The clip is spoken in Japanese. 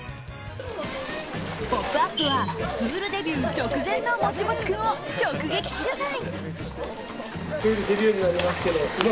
「ポップＵＰ！」はプールデビュー直前のもちもち君を直撃取材。